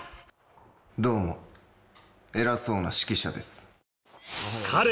どうも偉そうな指揮者です。